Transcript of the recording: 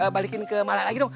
balikin ke mala lagi dong